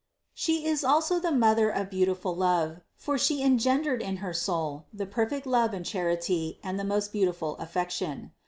She is also the Mother of beautiful love, for She alone engendered in her soul the perfect love and charity and the most beautiful affection.